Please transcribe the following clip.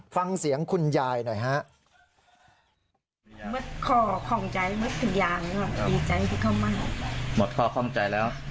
ฟังเสียงคุณยายหน่อยฮะ